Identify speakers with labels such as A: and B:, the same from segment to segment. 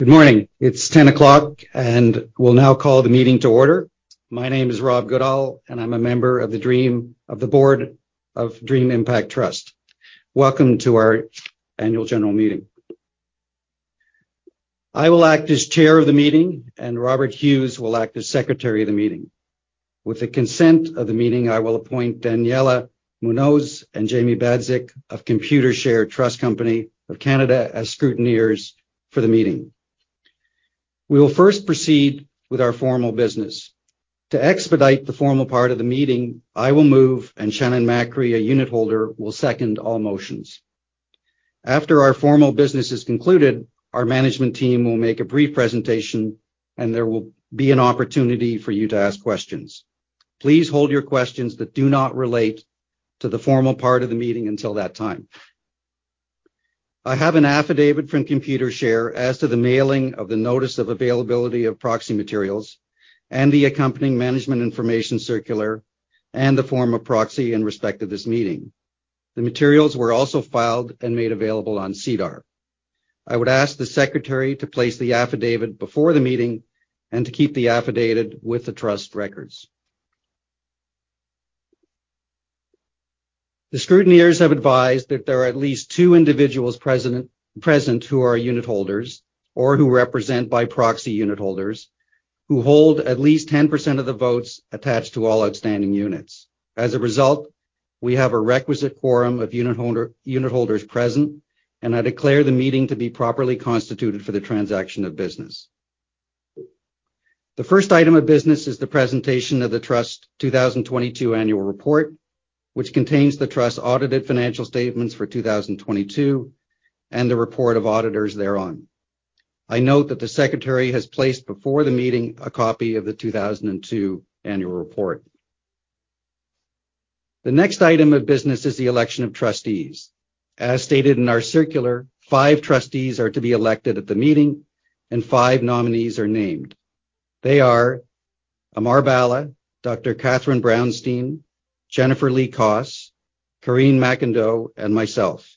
A: Good morning. It's 10:00 A.M., and we'll now call the meeting to order. My name is Rob Goodall, and I'm a member of the Dream... of the Board of Dream Impact Trust. Welcome to our Annual General Meeting. I will act as Chair of the meeting, and Robert Hughes will act as Secretary of the meeting. With the consent of the meeting, I will appoint Daniela Munoz and Jamie [Badzik] of Computershare Trust Company of Canada as scrutineers for the meeting. We will first proceed with our formal business. To expedite the formal part of the meeting, I will move, and Shannon Macri, a Unitholder, will second all motions. After our formal business is concluded, our management team will make a brief presentation, and there will be an opportunity for you to ask questions. Please hold your questions that do not relate to the formal part of the meeting until that time. I have an affidavit from Computershare as to the mailing of the notice of availability of proxy materials and the accompanying Management Information Circular and the form of proxy in respect to this meeting. The materials were also filed and made available on SEDAR. I would ask the secretary to place the affidavit before the meeting and to keep the affidavit with the trust records. The scrutineers have advised that there are at least two individuals present who are unitholders or who represent by proxy unitholders who hold at least 10% of the votes attached to all outstanding units. As a result, we have a requisite quorum of unitholders present, and I declare the meeting to be properly constituted for the transaction of business. The first item of business is the presentation of the Trust's 2022 Annual Report, which contains the Trust's audited financial statements for 2022 and the report of auditors thereon. I note that the secretary has placed before the meeting a copy of the 2022 annual report. The next item of business is the election of trustees. As stated in our circular, five trustees are to be elected at the meeting, and five nominees are named. They are Amar Bhalla, Dr. Catherine Brownstein, Jennifer Lee Koss, Karine MacIndoe, and myself.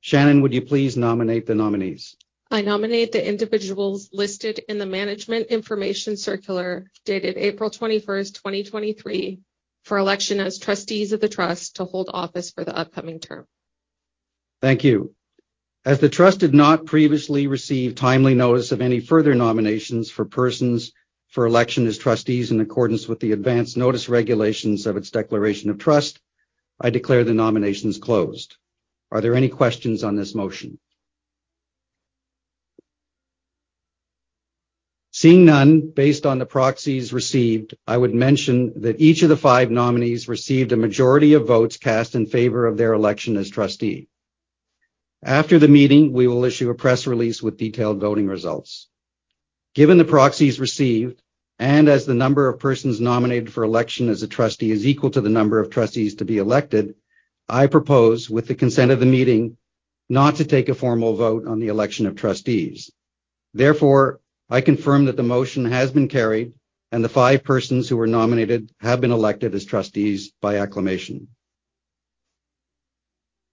A: Shannon, would you please nominate the nominees?
B: I nominate the individuals listed in the Management Information Circular, dated April 21st, 2023, for election as trustees of the Trust to hold office for the upcoming term.
A: Thank you. As the Trust did not previously receive timely notice of any further nominations for persons for election as trustees in accordance with the advance notice regulations of its Declaration of Trust, I declare the nominations closed. Are there any questions on this motion? Seeing none, based on the proxies received, I would mention that each of the five nominees received a majority of votes cast in favor of their election as trustee. After the meeting, we will issue a press release with detailed voting results. Given the proxies received, and as the number of persons nominated for election as a trustee is equal to the number of trustees to be elected, I propose, with the consent of the meeting, not to take a formal vote on the election of trustees. Therefore, I confirm that the motion has been carried, and the five persons who were nominated have been elected as trustees by acclamation.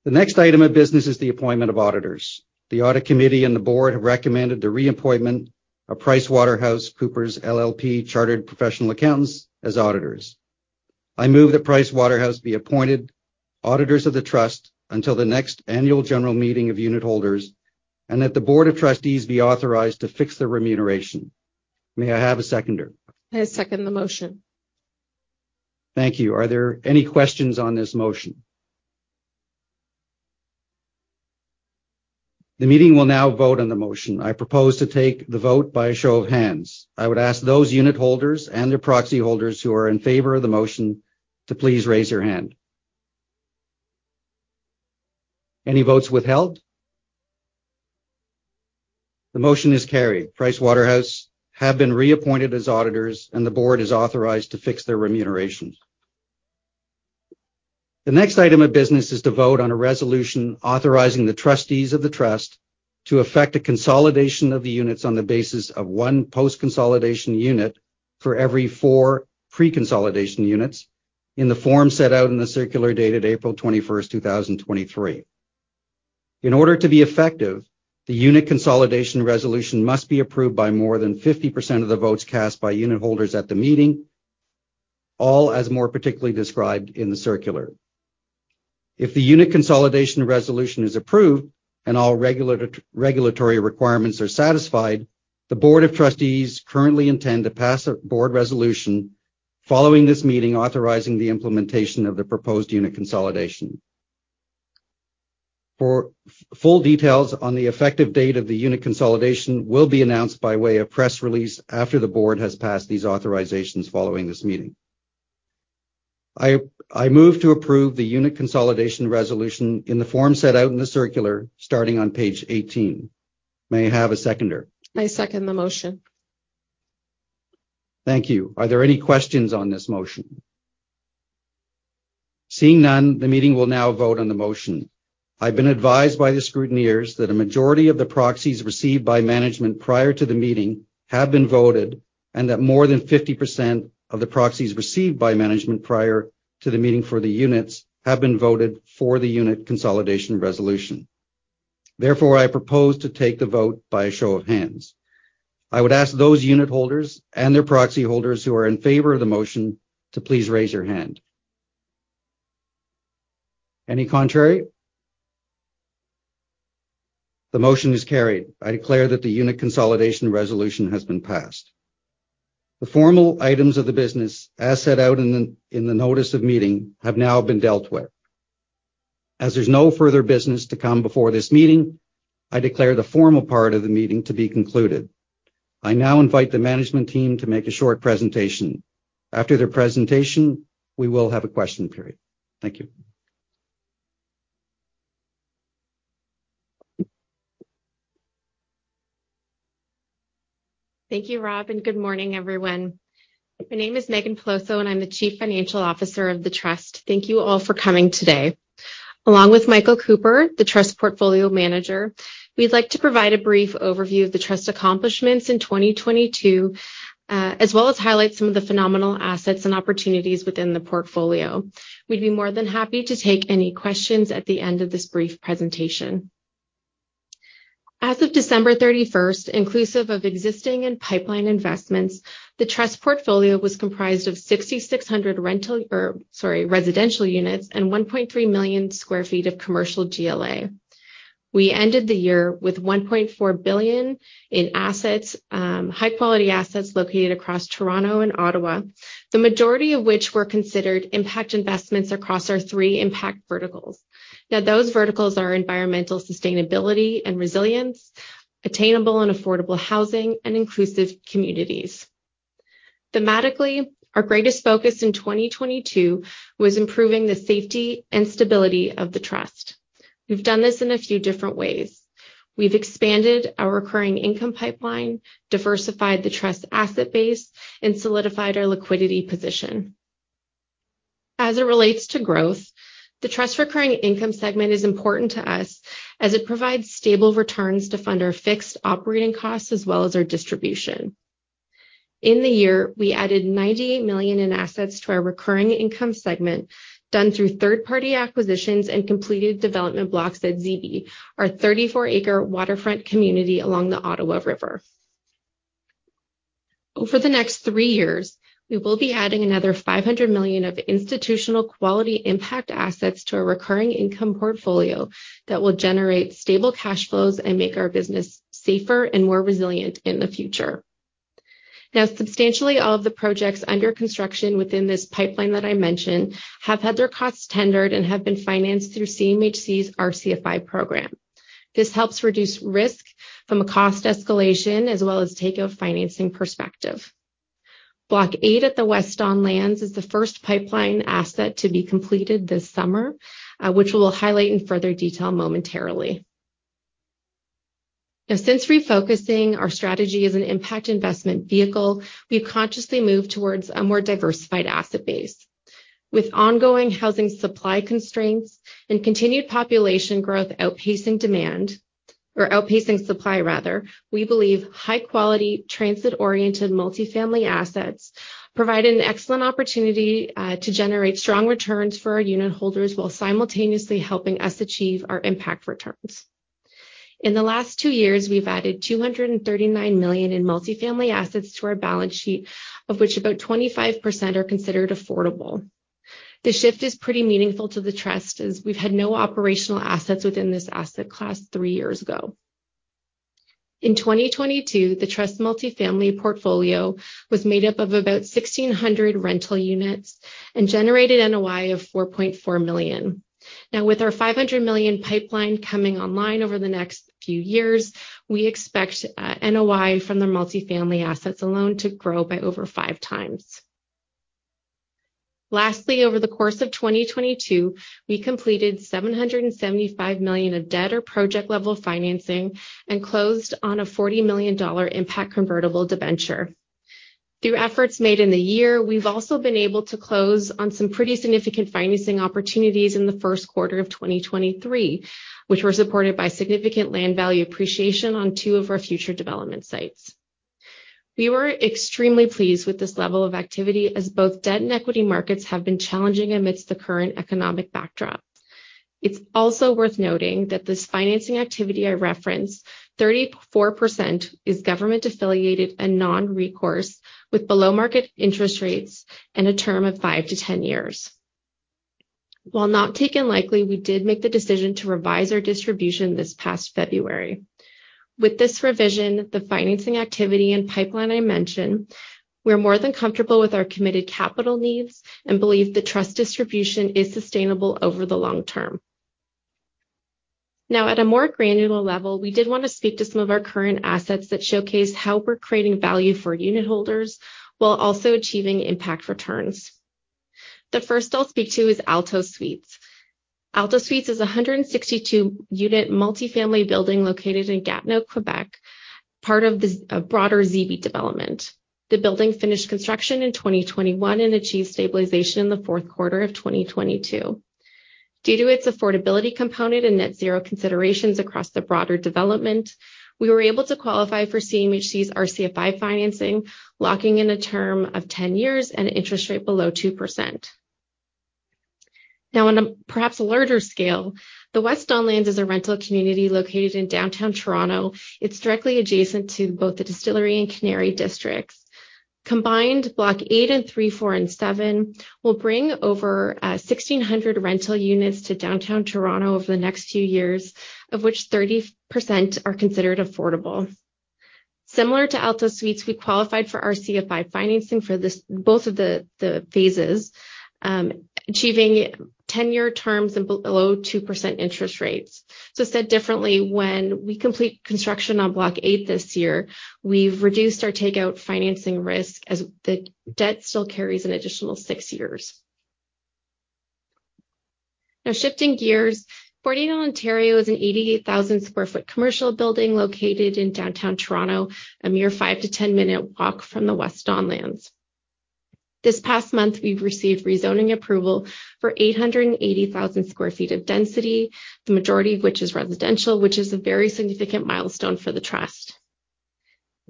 A: The next item of business is the appointment of auditors. The Audit Committee and the Board have recommended the reappointment of PricewaterhouseCoopers LLP, Chartered Professional Accountants as auditors. I move that Pricewaterhouse be appointed auditors of the Trust until the next Annual General Meeting of unitholders and that the Board of Trustees be authorized to fix their remuneration. May I have a seconder?
B: I second the motion.
A: Thank you. Are there any questions on this motion? The meeting will now vote on the motion. I propose to take the vote by a show of hands. I would ask those unitholders and their proxy holders who are in favor of the motion to please raise your hand. Any votes withheld? The motion is carried. PricewaterhouseCoopers have been reappointed as auditors, and the Board is authorized to fix their remunerations. The next item of business is to vote on a resolution authorizing the trustees of the trust to effect a consolidation of the units on the basis of one post-consolidation unit for every four pre-consolidation units in the form set out in the circular dated April 21st, 2023. In order to be effective, the unit consolidation resolution must be approved by more than 50% of the votes cast by unitholders at the meeting, all as more particularly described in the circular. If the unit consolidation resolution is approved and all regulatory requirements are satisfied, the Board of Trustees currently intend to pass a Board resolution following this meeting, authorizing the implementation of the proposed unit consolidation. Full details on the effective date of the unit consolidation will be announced by way of press release after the Board has passed these authorizations following this meeting. I move to approve the unit consolidation resolution in the form set out in the circular starting on page 18. May I have a seconder?
B: I second the motion.
A: Thank you. Are there any questions on this motion? Seeing none, the meeting will now vote on the motion. I've been advised by the scrutineers that a majority of the proxies received by management prior to the meeting have been voted and that more than 50% of the proxies received by management prior to the meeting for the units have been voted for the unit consolidation resolution. Therefore, I propose to take the vote by a show of hands. I would ask those unitholders and their proxy holders who are in favor of the motion to please raise your hand. Any contrary? The motion is carried. I declare that the unit consolidation resolution has been passed. The formal items of the business, as set out in the, in the notice of meeting, have now been dealt with. As there's no further business to come before this meeting, I declare the formal part of the meeting to be concluded. I now invite the management team to make a short presentation. After their presentation, we will have a question period. Thank you.
C: Thank you, Rob, and good morning, everyone. My name is Meaghan Peloso, and I'm the Chief Financial Officer of the Trust. Thank you all for coming today. Along with Michael Cooper, the Trust Portfolio Manager, we'd like to provide a brief overview of the Trust's accomplishments in 2022, as well as highlight some of the phenomenal assets and opportunities within the portfolio. We'd be more than happy to take any questions at the end of this brief presentation. As of December 31st, inclusive of existing and pipeline investments, the Trust portfolio was comprised of 6,600 rental or, sorry, residential units and 1.3 million sq ft of commercial GLA. We ended the year with $1.4 billion in assets, high quality assets located across Toronto and Ottawa, the majority of which were considered impact investments across our three impact verticals. Now, those verticals are environmental sustainability and resilience, attainable and affordable housing, and inclusive communities. Thematically, our greatest focus in 2022 was improving the safety and stability of the Trust. We've done this in a few different ways. We've expanded our recurring income pipeline, diversified the Trust asset base, and solidified our liquidity position. As it relates to growth, the Trust's recurring income segment is important to us as it provides stable returns to fund our fixed operating costs as well as our distribution. In the year, we added $98 million in assets to our recurring income segment, done through third-party acquisitions and completed development blocks at Zibi, our 34-acre waterfront community along the Ottawa River. Over the next three years, we will be adding another $500 million of institutional quality impact assets to our recurring income portfolio that will generate stable cash flows and make our business safer and more resilient in the future. Now, substantially, all of the projects under construction within this pipeline that I mentioned have had their costs tendered and have been financed through CMHC's RCFI program. This helps reduce risk from a cost escalation as well as take a financing perspective. Block 8 at the West Don Lands is the first pipeline asset to be completed this summer, which we will highlight in further detail momentarily. Now, since refocusing our strategy as an impact investment vehicle, we've consciously moved towards a more diversified asset base. With ongoing housing supply constraints and continued population growth outpacing demand, or outpacing supply rather, we believe high quality, transit-oriented multifamily assets provide an excellent opportunity to generate strong returns for our unitholders while simultaneously helping us achieve our impact returns. In the last two years, we've added $239 million in multifamily assets to our balance sheet, of which about 25% are considered affordable. The shift is pretty meaningful to the Trust as we've had no operational assets within this asset class three years ago. In 2022, the Trust's multifamily portfolio was made up of about 1,600 rental units and generated NOI of $4.4 million. Now, with our $500 million pipeline coming online over the next few years, we expect NOI from the multifamily assets alone to grow by over 5x. Lastly, over the course of 2022, we completed $775 million of debt or project-level financing and closed on a $40 million impact convertible debenture. Through efforts made in the year, we've also been able to close on some pretty significant financing opportunities in the first quarter of 2023, which were supported by significant land value appreciation on two of our future development sites. We were extremely pleased with this level of activity, as both debt and equity markets have been challenging amidst the current economic backdrop. It's also worth noting that this financing activity I referenced, 34% is government-affiliated and non-recourse, with below-market interest rates and a term of five to 10 years. While not taken lightly, we did make the decision to revise our distribution this past February. With this revision, the financing activity and pipeline I mentioned, we're more than comfortable with our committed capital needs and believe the Trust distribution is sustainable over the long term. Now, at a more granular level, we did want to speak to some of our current assets that showcase how we're creating value for unitholders while also achieving impact returns. The first I'll speak to is Aalto Suites. Aalto Suites is a 162-unit multifamily building located in Gatineau, Quebec, part of the broader Zibi development. The building finished construction in 2021 and achieved stabilization in the fourth quarter of 2022. Due to its affordability component and net zero considerations across the broader development, we were able to qualify for CMHC's RCFI financing, locking in a term of 10 years and an interest rate below 2%. Now, on a perhaps larger scale, the West Don Lands is a rental community located in downtown Toronto. It's directly adjacent to both the Distillery District and Canary District. Combined, Block 8 and 3, 4, and 7 will bring over 1,600 rental units to downtown Toronto over the next few years, of which 30% are considered affordable. Similar to Aalto Suites, we qualified for RCFI financing for this, both of the phases, achieving 10-year terms and below 2% interest rates. So said differently, when we complete construction on Block 8 this year, we've reduced our takeout financing risk as the debt still carries an additional six years. Now, shifting gears, 49 Ontario Street is an 88,000 sq ft commercial building located in downtown Toronto, a mere five- to 10-minute walk from the West Don Lands. This past month, we've received rezoning approval for 880,000 sq ft of density, the majority of which is residential, which is a very significant milestone for the trust.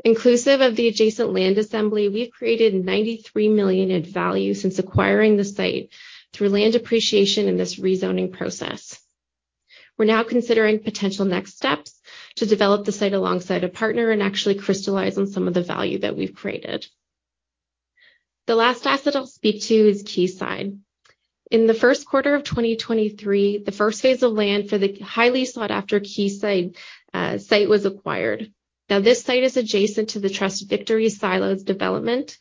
C: Inclusive of the adjacent land assembly, we've created $93 million in value since acquiring the site through land appreciation in this rezoning process. We're now considering potential next steps to develop the site alongside a partner and actually crystallize on some of the value that we've created. The last asset I'll speak to is Quayside. In the first quarter of 2023, the first phase of land for the highly sought-after Quayside site was acquired. Now, this site is adjacent to the Trust Victory Silos development,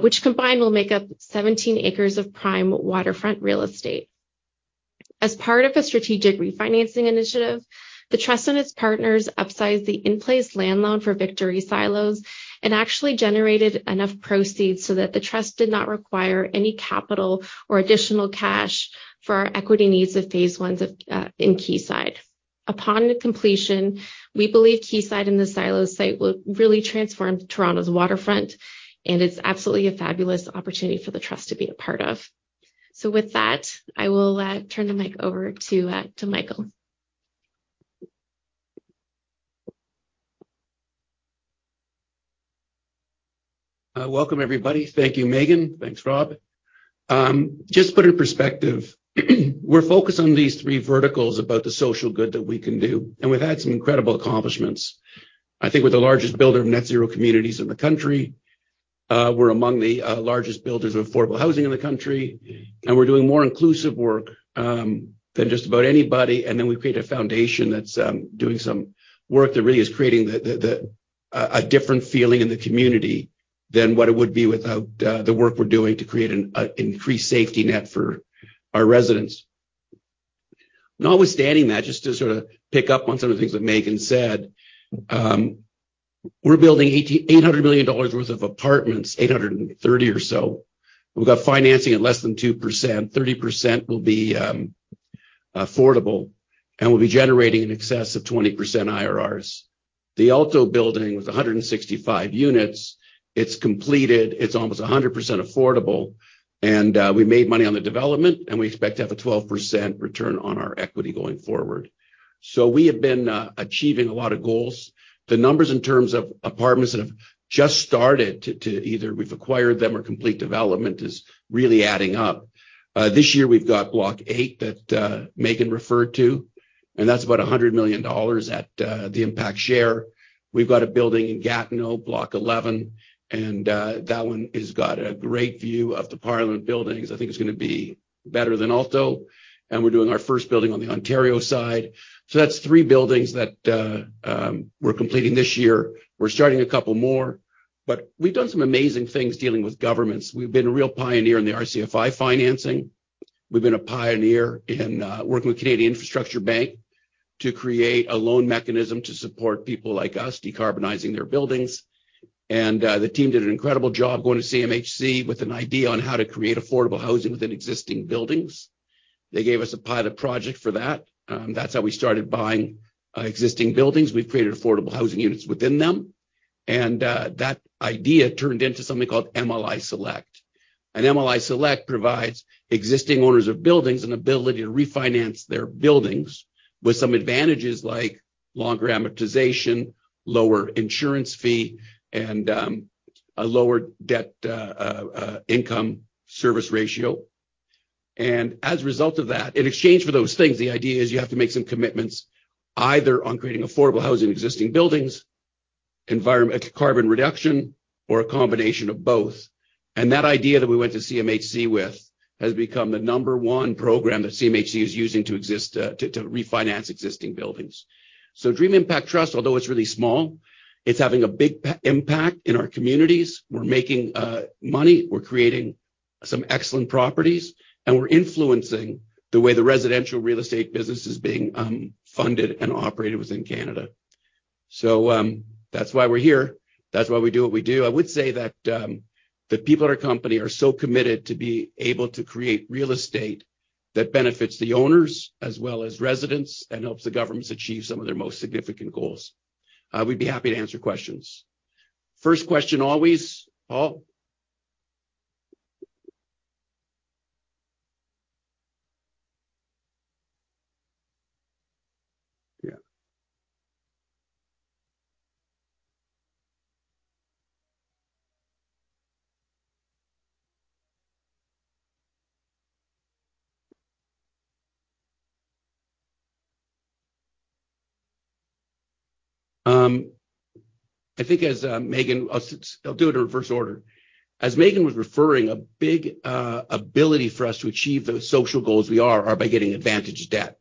C: which combined will make up 17 acres of prime waterfront real estate. As part of a strategic refinancing initiative, the trust and its partners upsized the in-place land loan for Victory Silos and actually generated enough proceeds so that the Trust did not require any capital or additional cash for our equity needs of Phase I in Quayside. Upon completion, we believe Quayside and the Silos site will really transform Toronto's waterfront, and it's absolutely a fabulous opportunity for the trust to be a part of. So with that, I will turn the mic over to to Michael.
D: Welcome, everybody. Thank you, Meaghan. Thanks, Rob. Just put in perspective, we're focused on these three verticals about the social good that we can do, and we've had some incredible accomplishments. I think we're the largest builder of net zero communities in the country. We're among the largest builders of affordable housing in the country, and we're doing more inclusive work than just about anybody. And then we've created a foundation that's doing some work that really is creating a different feeling in the community than what it would be without the work we're doing to create an increased safety net for our residents. Notwithstanding that, just to sort of pick up on some of the things that Meaghan said, we're building $800 million worth of apartments, $830 million or so. We've got financing at less than 2%. 30% will be affordable, and we'll be generating in excess of 20% IRRs. The Aalto building, with 165 units, it's completed. It's almost 100% affordable, and we made money on the development, and we expect to have a 12% return on our equity going forward. So we have been achieving a lot of goals. The numbers in terms of apartments that have just started to either we've acquired them or complete development is really adding up. This year we've got Block 8 that Meaghan referred to, and that's about $100 million at the impact share. We've got a building in Gatineau, Block 11, and that one has got a great view of the Parliament Buildings. I think it's going to be better than Aalto, and we're doing our first building on the Ontario side. So that's three buildings that we're completing this year. We're starting a couple more, but we've done some amazing things dealing with governments. We've been a real pioneer in the RCFI financing. We've been a pioneer in working with Canada Infrastructure Bank to create a loan mechanism to support people like us, decarbonizing their buildings. And the team did an incredible job going to CMHC with an idea on how to create affordable housing within existing buildings. They gave us a pilot project for that. That's how we started buying existing buildings. We've created affordable housing units within them, and that idea turned into something called MLI Select. MLI Select provides existing owners of buildings an ability to refinance their buildings with some advantages like longer amortization, lower insurance fee, and a lower debt income service ratio. As a result of that, in exchange for those things, the idea is you have to make some commitments, either on creating affordable housing in existing buildings, environment, carbon reduction, or a combination of both. That idea that we went to CMHC with has become the number one program that CMHC is using to assist to refinance existing buildings. So Dream Impact Trust, although it's really small, it's having a big impact in our communities. We're making money, we're creating some excellent properties, and we're influencing the way the residential real estate business is being funded and operated within Canada. So that's why we're here. That's why we do what we do. I would say that, the people at our company are so committed to be able to create real estate that benefits the owners as well as residents and helps the governments achieve some of their most significant goals. We'd be happy to answer questions. First question always... Paul?... I think as, Meaghan, I'll do it in reverse order. As Meaghan was referring, a big ability for us to achieve the social goals we are by getting advantage debt.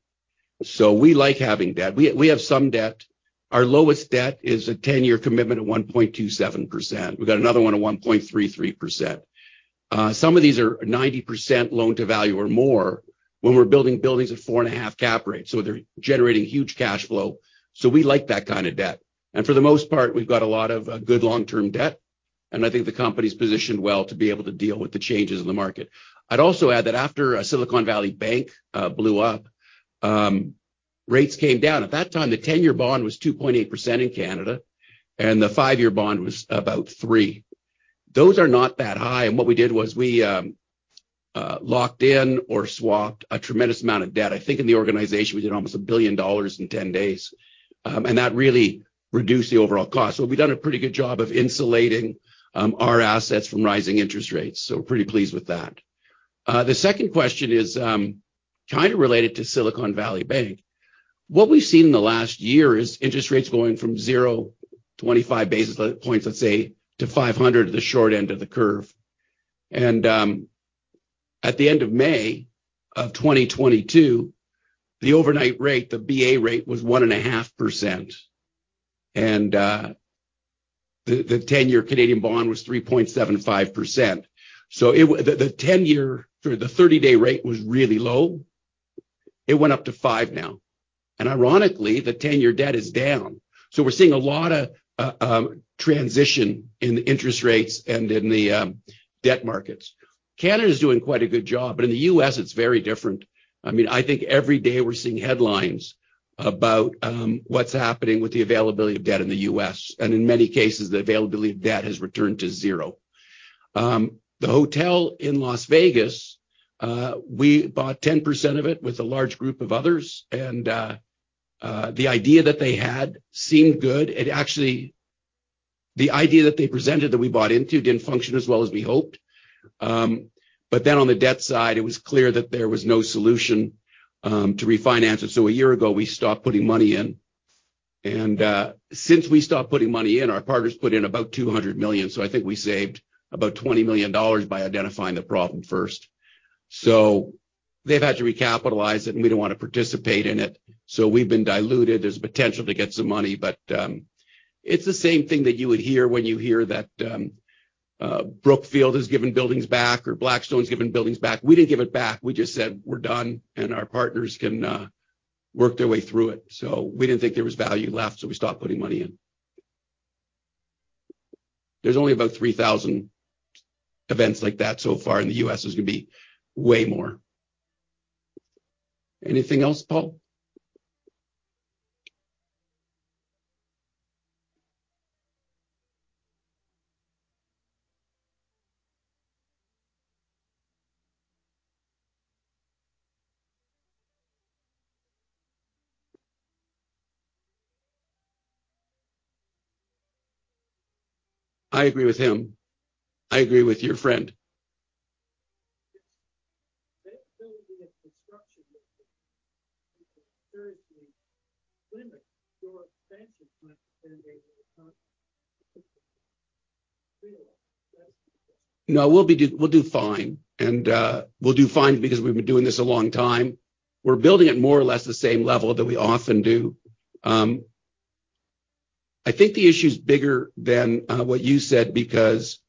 D: So we like having debt. We, we have some debt. Our lowest debt is a 10-year commitment at 1.27%. We've got another one at 1.33%. Some of these are 90% loan to value or more when we're building buildings at 4.5 cap rate, so they're generating huge cash flow. So we like that kind of debt, and for the most part, we've got a lot of good long-term debt, and I think the company's positioned well to be able to deal with the changes in the market. I'd also add that after Silicon Valley Bank blew up, rates came down. At that time, the 10-year bond was 2.8% in Canada, and the five-year bond was about 3%. Those are not that high, and what we did was we locked in or swapped a tremendous amount of debt. I think in the organization, we did almost $1 billion in 10 days, and that really reduced the overall cost. So we've done a pretty good job of insulating our assets from rising interest rates, so pretty pleased with that. The second question is, kind of related to Silicon Valley Bank. What we've seen in the last year is interest rates going from zero to 25 basis points, let's say, to 500 at the short end of the curve. And at the end of May of 2022, the overnight rate, the BA rate, was 1.5%, and the 10-year Canadian bond was 3.75%. The 10-year, or the 30-day rate was really low. It went up to 5% now, and ironically, the 10-year debt is down. So we're seeing a lot of transition in the interest rates and in the debt markets. Canada's doing quite a good job, but in the U.S., it's very different. I mean, I think every day we're seeing headlines about what's happening with the availability of debt in the U.S., and in many cases, the availability of debt has returned to zero. The hotel in Las Vegas, we bought 10% of it with a large group of others, and the idea that they had seemed good. It actually, the idea that they presented, that we bought into, didn't function as well as we hoped. But then on the debt side, it was clear that there was no solution to refinance it. So a year ago, we stopped putting money in, and since we stopped putting money in, our partners put in about $200 million. So I think we saved about $20 million by identifying the problem first. So they've had to recapitalize it, and we don't want to participate in it. So we've been diluted. There's potential to get some money, but it's the same thing that you would hear when you hear that Brookfield has given buildings back or Blackstone's given buildings back. We didn't give it back. We just said, "We're done, and our partners can work their way through it." So we didn't think there was value left, so we stopped putting money in. There's only about 3,000 events like that so far. In the U.S. there's going to be way more. Anything else, Paul? I agree with him. I agree with your friend.
E: Yes. There will be a construction that seriously limit your expansion plan in Asia.
D: No, we'll do fine, and we'll do fine because we've been doing this a long time. We're building at more or less the same level that we often do. I think the issue is bigger than what you said because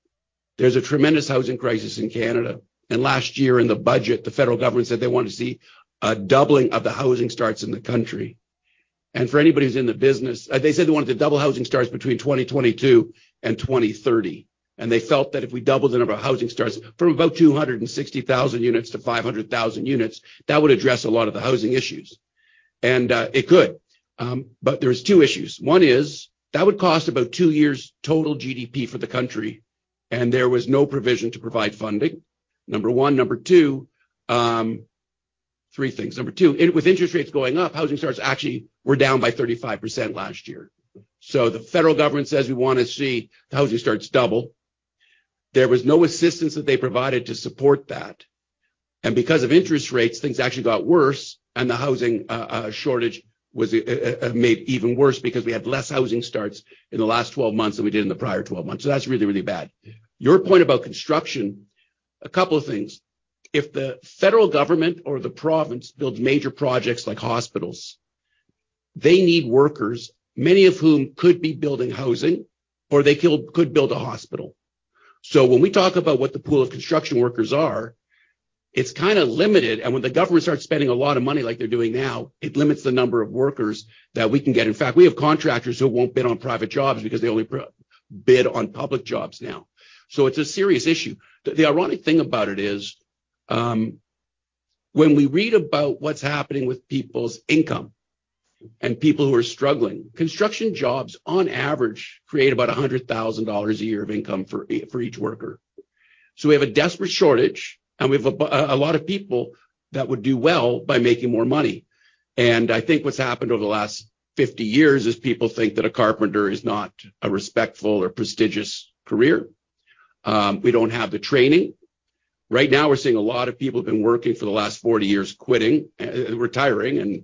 D: there's a tremendous housing crisis in Canada, and last year in the budget, the federal government said they want to see a doubling of the housing starts in the country. And for anybody who's in the business, they said they wanted to double housing starts between 2022 and 2030. And they felt that if we doubled the number of housing starts from about 260,000 units to 500,000 units, that would address a lot of the housing issues. And it could, but there's two issues. One is, that would cost about two years' total GDP for the country, and there was no provision to provide funding, number one. Number two. Three things. Number two, it, with interest rates going up, housing starts actually were down by 35% last year. So the federal government says we want to see the housing starts double. There was no assistance that they provided to support that, and because of interest rates, things actually got worse, and the housing shortage was made even worse because we had less housing starts in the last 12 months than we did in the prior 12 months. So that's really, really bad. Your point about construction, a couple of things. If the federal government or the province builds major projects like hospitals, they need workers, many of whom could be building housing, or they could build a hospital. So when we talk about what the pool of construction workers are, it's kind of limited, and when the government starts spending a lot of money like they're doing now, it limits the number of workers that we can get. In fact, we have contractors who won't bid on private jobs because they only bid on public jobs now. So it's a serious issue. The ironic thing about it is, when we read about what's happening with people's income and people who are struggling, construction jobs on average create about $100,000 a year of income for each worker. So we have a desperate shortage, and we have a lot of people that would do well by making more money. And I think what's happened over the last 50 years is people think that a carpenter is not a respectful or prestigious career. We don't have the training. Right now, we're seeing a lot of people who've been working for the last 40 years quitting, retiring, and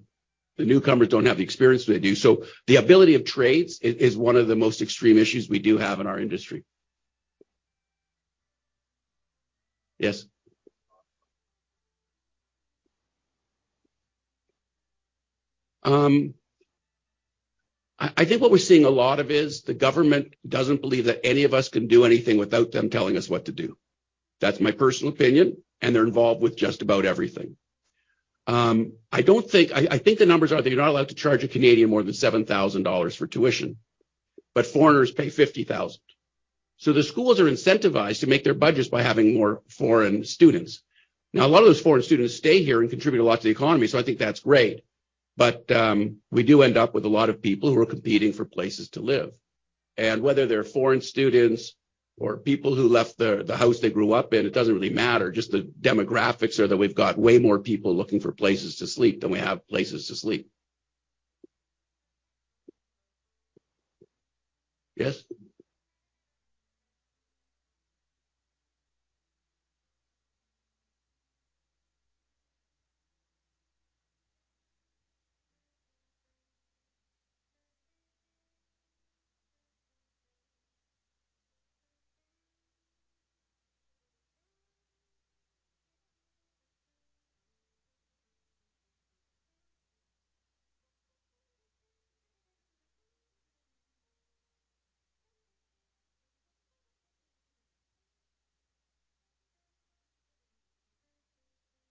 D: the newcomers don't have the experience they do. So the ability of trades is one of the most extreme issues we do have in our industry. Yes? I think what we're seeing a lot of is the government doesn't believe that any of us can do anything without them telling us what to do. That's my personal opinion, and they're involved with just about everything. I think the numbers are that you're not allowed to charge a Canadian more than $7,000 for tuition, but foreigners pay $50,000. So the schools are incentivized to make their budgets by having more foreign students. Now, a lot of those foreign students stay here and contribute a lot to the economy, so I think that's great. But, we do end up with a lot of people who are competing for places to live. And whether they're foreign students or people who left the house they grew up in, it doesn't really matter, just the demographics are that we've got way more people looking for places to sleep than we have places to sleep. Yes?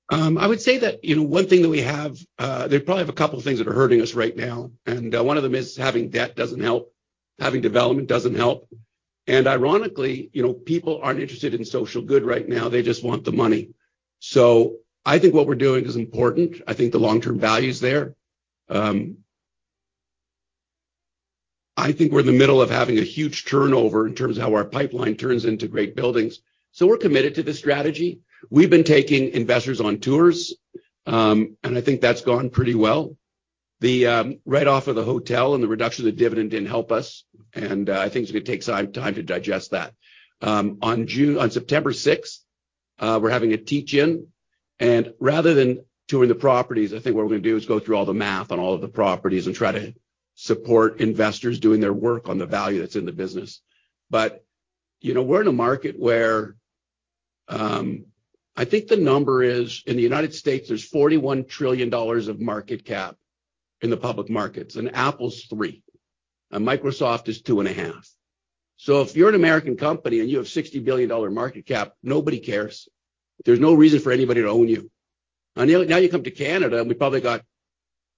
D: I would say that, you know, one thing that we have, there probably have a couple of things that are hurting us right now, and, one of them is having debt doesn't help, having development doesn't help. And ironically, you know, people aren't interested in social good right now. They just want the money. So I think what we're doing is important. I think the long-term value is there. I think we're in the middle of having a huge turnover in terms of how our pipeline turns into great buildings, so we're committed to this strategy. We've been taking investors on tours, and I think that's gone pretty well. The write-off of the hotel and the reduction of the dividend didn't help us, and, I think it's going to take some time, time to digest that. On June, on September 6th, we're having a teach-in, and rather than touring the properties, I think what we're going to do is go through all the math on all of the properties and try to support investors doing their work on the value that's in the business. But, you know, we're in a market where, I think the number is in the United States, there's $41 trillion of market cap in the public markets, and Apple's $3 trillion, and Microsoft is $2.5 trillion. So if you're an American company, and you have $60 billion market cap, nobody cares. There's no reason for anybody to own you. Now you come to Canada, and we probably got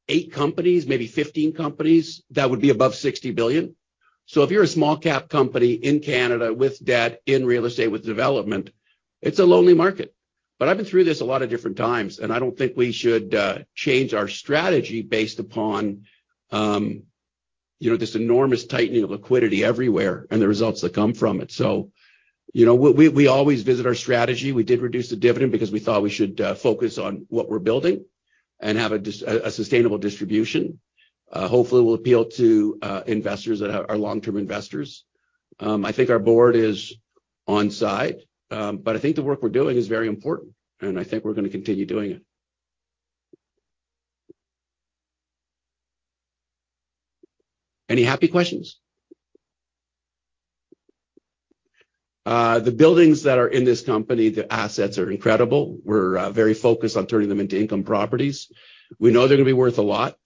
D: eight companies, maybe 15 companies that would be above $60 billion. So if you're a small cap company in Canada with debt in real estate, with development, it's a lonely market. But I've been through this a lot of different times, and I don't think we should change our strategy based upon, you know, this enormous tightening of liquidity everywhere and the results that come from it. So, you know, we always visit our strategy. We did reduce the dividend because we thought we should focus on what we're building and have a sustainable distribution. Hopefully, it will appeal to investors that are long-term investors. I think our Board is on site, but I think the work we're doing is very important, and I think we're going to continue doing it. Any happy questions? The buildings that are in this company, the assets are incredible. We're very focused on turning them into income properties. We know they're going to be worth a lot,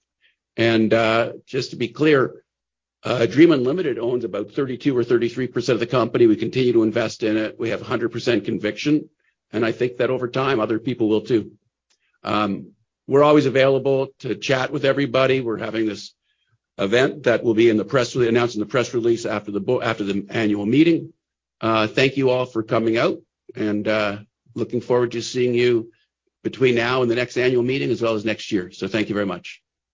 D: and just to be clear, Dream Unlimited owns about 32% or 33% of the company. We continue to invest in it. We have 100% conviction, and I think that over time, other people will, too. We're always available to chat with everybody. We're having this event that will be in the press release, announced in the press release after the annual meeting. Thank you all for coming out, and looking forward to seeing you between now and the next annual meeting, as well as next year. So thank you very much.